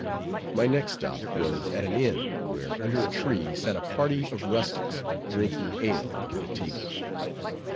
My next stop was at an inn, where under a tree sat a party of rustics, drinking ale at a table.